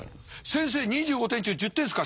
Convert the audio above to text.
先生２５点中１０点ですか？